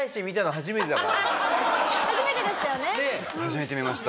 初めて見ました。